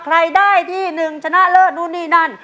ใครได้ที่หนึ่งชนะเลิศนู่นนี่นั่น